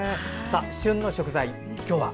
旬の食材、今日は？